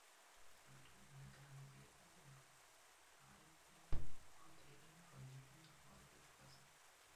Das Gebiet wird von der kanalisierten und begradigten Urtenen von Süden nach Norden durchflossen.